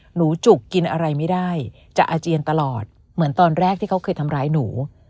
จุกกินอะไรไม่ได้จะอาเจียนตลอดเหมือนตอนแรกที่เขาเคยทำร้ายหนู